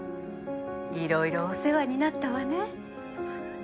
いろいろお世話になったわね。